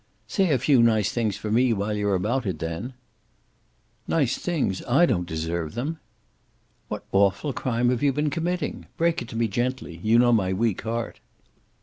"Say a few nice things for me, while you're about it, then." "Nice things! I don't deserve them." "What awful crime have you been committing? Break it to me gently. You know my weak heart."